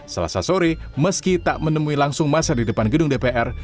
selasa sore meski tak menemui langsung masa di depan gedung dpr